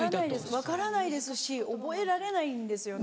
分からないですし覚えられないんですよね。